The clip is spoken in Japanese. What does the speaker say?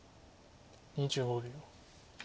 ２５秒。